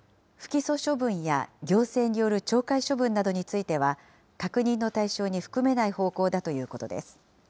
不起訴処分や行政による懲戒処分などについては、確認の対象に含めない方向だということです。